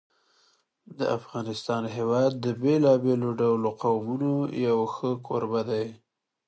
د افغانستان هېواد د بېلابېلو ډولو قومونو یو ښه کوربه دی.